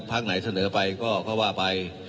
พักไหนเสนอไปก็ว่าไป